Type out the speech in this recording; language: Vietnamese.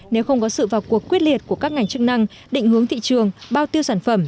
nếu không có sự vào cuộc quyết liệt của các ngành chức năng định hướng thị trường bao tiêu sản phẩm